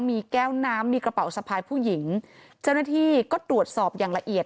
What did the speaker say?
มีแก้วน้ำมีกระเป๋าสะพายผู้หญิงเจ้าหน้าที่ก็ตรวจสอบอย่างละเอียด